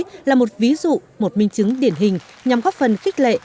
một trái tim một thế giới là một ví dụ một minh chứng điển hình nhằm góp phần khích lệ